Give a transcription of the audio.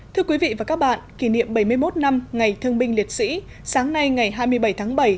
thưa quý vị và các bạn kỷ niệm bảy mươi một năm ngày thương binh liệt sĩ sáng nay ngày hai mươi bảy tháng bảy